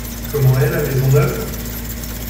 Comment est la maison neuve ?